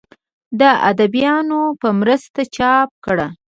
د اديبانو پۀ مرسته چاپ کړه